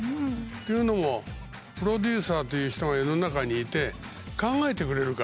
というのもプロデューサーという人が世の中にいて考えてくれるから。